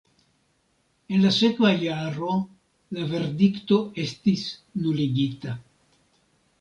En la sekva jaro la verdikto estis nuligita.